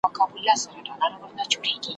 ژړا هېره خنداګاني سوی ښادي سوه `